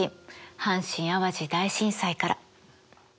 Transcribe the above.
阪神・淡路大震災から。